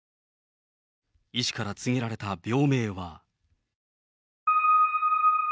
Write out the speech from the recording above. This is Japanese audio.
医師から告げられた病名は。